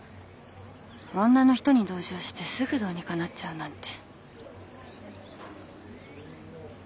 女の人に同情してすぐどうにかなっちゃうなんて。